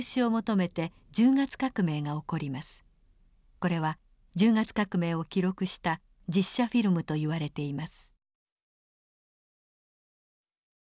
これは十月革命を記録した実写フィルムといわれています。